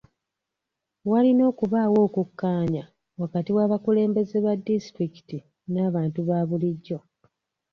Walina okubaawo okukkaanya wakati w'abakulembeze ba disitulikiti n'abantu ba bulijjo.